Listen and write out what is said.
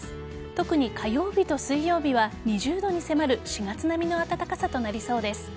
特に火曜日と水曜日は２０度に迫る４月並みの暖かさとなりそうです。